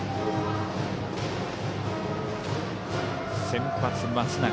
先発、松永。